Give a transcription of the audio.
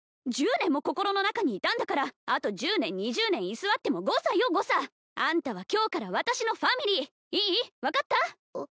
１０年も心の中にいたんだからあと１０年２０年居座っても誤差よ誤差あんたは今日から私のファミリーいい？分かった？